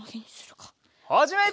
はじめ！